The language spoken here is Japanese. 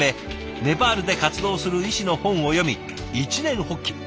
ネパールで活動する医師の本を読み一念発起。